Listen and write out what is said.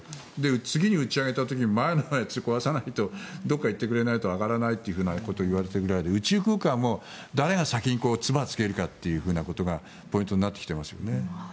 次に打ち上げた時に前のやつを壊さないとどこかに行ってくれないと上がらないということをいわれているぐらいで宇宙空間は誰が先につばをつけるかということがポイントになってきてますね。